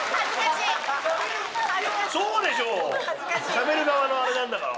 しゃべる側のあれなんだから。